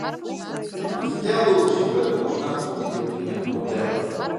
Hy fertelde oer syn wurk as nachtportier yn in hotel.